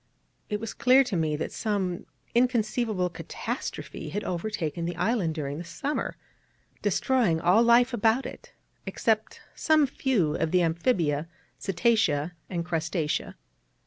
It was clear to me that some inconceivable catastrophe had overtaken the island during the summer, destroying all life about it, except some few of the amphibia, cetacea, and crustacea.